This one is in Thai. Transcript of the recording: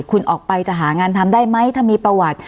คุณออกไปจะหางานทำได้ไหมถ้ามีประวัติ